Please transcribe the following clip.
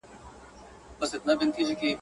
په بل اور ده څه پروا د سمندرو.